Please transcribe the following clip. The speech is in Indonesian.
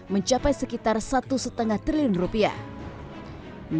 mencapai sekitar rp satu lima triliun